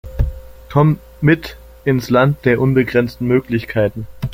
Kommt mit ins Land der unbegrenzten Möglichkeiten!